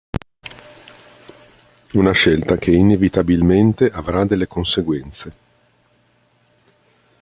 Una scelta che inevitabilmente avrà delle conseguenze.